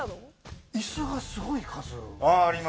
いすがすごい数。